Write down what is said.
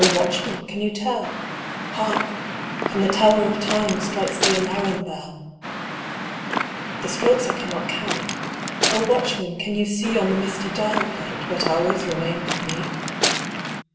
O watchman, can you tell ? Hark ! from the tower of Time Strikes the alarum bell ! The strokes I cannot count. O watchman, can you see On the misty dial plate What hours remain for me